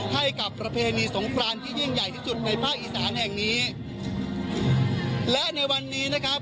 ให้กับประเพณีสงครานที่ยิ่งใหญ่ที่สุดในภาคอีสานแห่งนี้และในวันนี้นะครับ